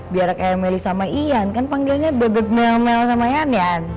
biar kayak melly sama ian kan panggilnya bebek melmel sama ian ya